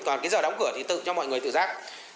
còn cái giờ đóng cửa thì tự cho mọi người tự giác